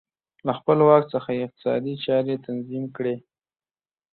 له خپل واک څخه یې اقتصادي چارې تنظیم کړې